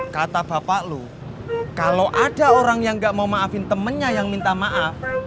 kata bapak lu kalau ada orang yang gak mau maafin temennya yang minta maaf